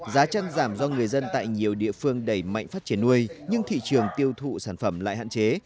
giá chân giảm do người dân tại nhiều địa phương đẩy mạnh phát triển nuôi nhưng thị trường tiêu thụ sản phẩm lại hạn chế